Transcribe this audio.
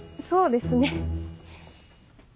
そうですね。